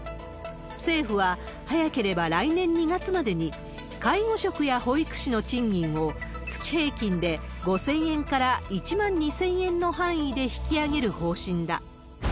政府は早ければ来年２月までに、介護職や保育士の賃金を、月平均で５０００円から１万２０００円の範囲で引き上げる方針だ。